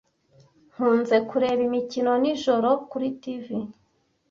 Nkunze kureba imikino nijoro kuri TV.